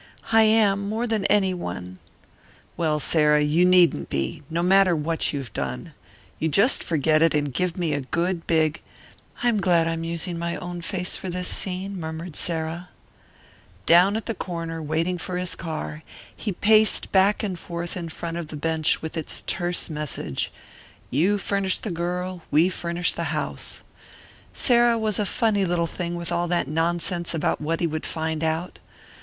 "I am, more than any one." "Well, Sarah, you needn't be no matter what you've done. You just forget it and give me a good big " "I'm glad I'm using my own face in this scene," murmured Sarah. Down at the corner, waiting for his car, he paced back and forth in front of the bench with its terse message "You furnish the girl, we furnish the house" Sarah was a funny little thing with all that nonsense about what he would find out.